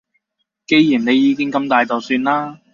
既然你意見咁大就算啦